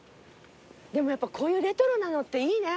でもやっぱこういうレトロなのっていいね。